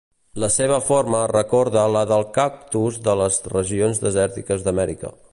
La seva forma recorda la del cactus de les regions desèrtiques d'Amèrica.